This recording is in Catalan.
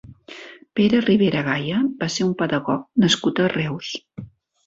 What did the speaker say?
Pere Ribera Gaya va ser un pedagog nascut a Reus.